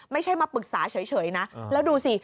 ไม่ใช่มาปรึกษาเฉยนะแล้วดูสิ